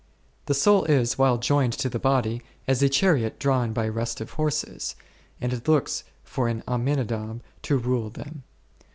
The soul is, while joined to the body, as a chariot drawn by restive horses, and it looks for an Amminadab to rule them.